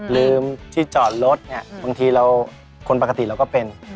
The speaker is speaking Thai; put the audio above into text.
ลืมที่จอดรถเนี่ยบางทีเราคนปกติเราก็เป็น